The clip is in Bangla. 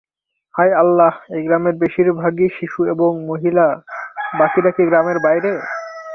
হায় আল্লাহ এই গ্রামের বেশির ভাগই শিশু এবং মহিলা বাকিরা কি গ্রামের বাইরে?